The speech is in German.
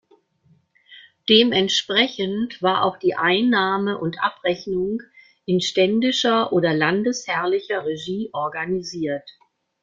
Dementsprechend war auch die Einnahme und Abrechnung in ständischer oder landesherrlicher Regie organisiert.